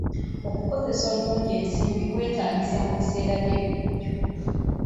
Okukozesa obulungi ensimbi kyetaagisa mu biseera by'ebikujjuko